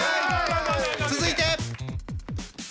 続いて。